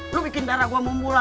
lo bikin darah gue mau mulai